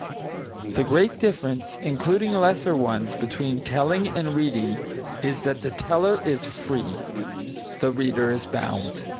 The great difference, including lesser ones, between telling and reading is that the teller is free; the reader is bound.